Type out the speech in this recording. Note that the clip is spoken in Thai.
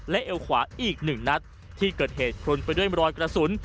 และเอวขวาอีกหนึ่งนัดที่เกิดเหตุพลุนไปด้วยรอยกระสุน